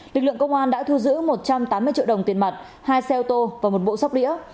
lực lượng công an đã thu giữ một trăm tám mươi triệu đồng tiền mặt hai xe ô tô và một bộ sóc đĩa